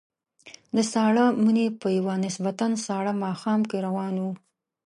د ساړه مني په یوه نسبتاً ساړه ماښام کې روان وو.